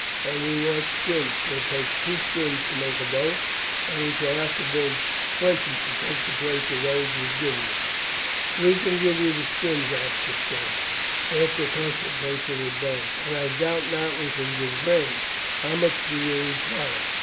And we want skins, for it takes two skins to make a boat, and we shall have to build twenty to take the place of those we give you." "We can give the skins," Aska said, after a consultation with Beric; "and I doubt not we can give grain. How much do you require?"